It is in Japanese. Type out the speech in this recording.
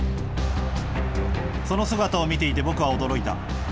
その姿を見ていて、僕は驚いた。